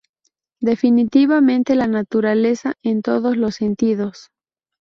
Definitivamente la Naturaleza en todos los sentidos.